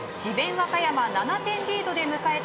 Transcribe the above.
和歌山７点リードで迎えた